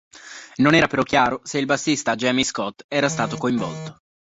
Non era però chiaro se il bassista Jamie Scott era stato coinvolto.